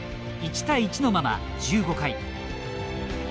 １対１のまま１５回。